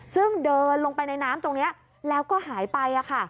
ซึ่งเดินลงไปในน้ำตรงนี้แล้วก็หายไป